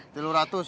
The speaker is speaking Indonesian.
tidak ada ratus